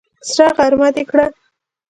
سره غرمه دې کړه!